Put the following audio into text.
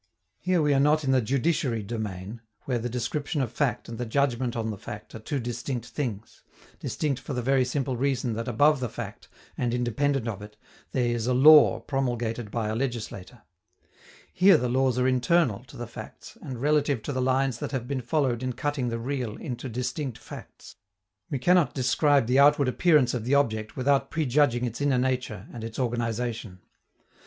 Here we are not in the judiciary domain, where the description of fact and the judgment on the fact are two distinct things, distinct for the very simple reason that above the fact, and independent of it, there is a law promulgated by a legislator. Here the laws are internal to the facts and relative to the lines that have been followed in cutting the real into distinct facts. We cannot describe the outward appearance of the object without prejudging its inner nature and its organization.